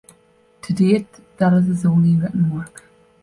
To date, that is his only written work.